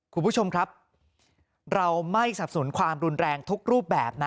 คุณผู้ชมครับเราไม่สับสนุนความรุนแรงทุกรูปแบบนะ